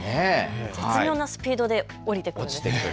絶妙なスピードで降りてくる。